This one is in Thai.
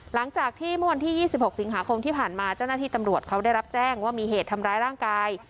หลังจากที่เมื่อวันที่๒๖สิงหาคมที่ผ่านมาเจ้าหน้าที่ตำรวจเขาได้รับแจ้งว่ามีเหตุทำร้ายร่างกาย